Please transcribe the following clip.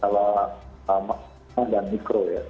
maksudnya dan mikro ya